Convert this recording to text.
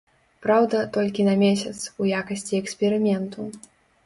Праўда, толькі на месяц, у якасці эксперыменту.